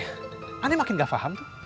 anaknya makin tidak paham